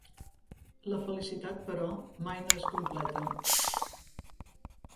La felicitat, però, mai no és completa.